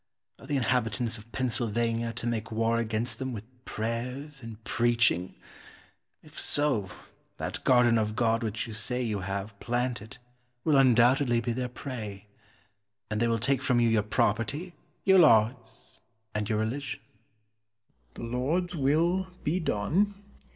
Are the inhabitants of Pennsylvania to make war against them with prayers and preaching? If so, that garden of God which you say you have planted will undoubtedly be their prey, and they will take from you your property, your laws, and your religion. Penn. The Lord's will be done.